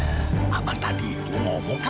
namun saja abang tadi ngomong pelan pelan pelan